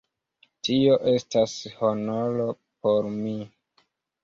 Tio estas honoro por mi.